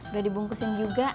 udah dibungkusin juga